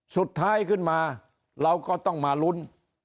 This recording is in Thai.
สุดท้ายขึ้นมาเราก็ต้องมาลุ้น